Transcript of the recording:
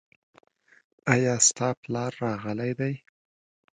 ایا ستا پلار راغلی دی ؟